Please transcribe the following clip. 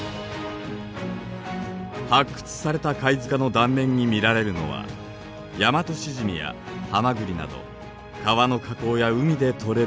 発掘された貝塚の断面に見られるのはヤマトシジミやハマグリなど川の河口や海で採れる貝です。